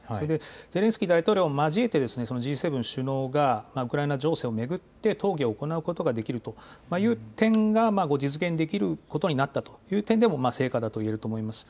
ゼレンスキー大統領も交えてＧ７首脳がウクライナ情勢を巡って討議を行うことができるという点が実現できることになったという点でも成果だといえると思います。